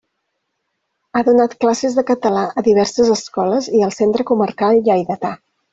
Ha donat classes de català a diverses escoles i al Centre Comarcal Lleidatà.